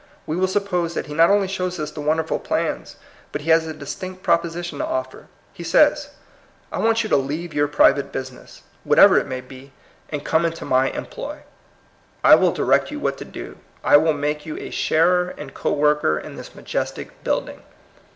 We will suppose that he not only shows us the wonderful plans, but he has a distinct proposition to oflFer. He says, " 1 want you to leave your private business, whatever it may be, and come into my THE HAPPY LIFE. 203 employ. I will direct you what to do. I will make you a sharer and co worker in this majestic building."